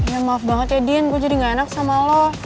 ya maaf banget ya dian gue jadi gak enak sama lo